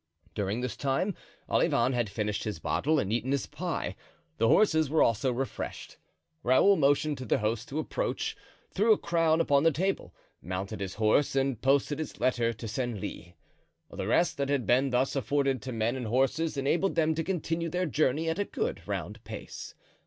During this time Olivain had finished his bottle and eaten his pie; the horses were also refreshed. Raoul motioned to the host to approach, threw a crown upon the table, mounted his horse, and posted his letter at Senlis. The rest that had been thus afforded to men and horses enabled them to continue their journey at a good round pace.